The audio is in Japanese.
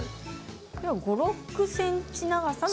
５、６ｃｍの長さ。